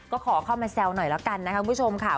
ก็ขอเข้ามาแซวหน่อยแล้วกันนะคะคุณผู้ชมค่ะ